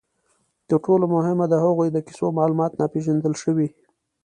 تر ټولو مهمه، د هغوی د کیسو معلومات ناپېژندل شوي.